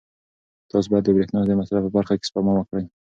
تاسو باید د برېښنا د مصرف په برخه کې سپما وکړئ.